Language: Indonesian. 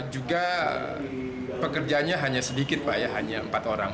juga pekerjaannya hanya sedikit pak ya hanya empat orang